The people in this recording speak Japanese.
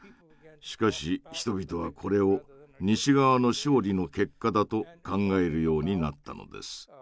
しかし人々はこれを西側の勝利の結果だと考えるようになったのです。